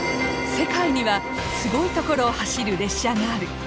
世界にはすごい所を走る列車がある。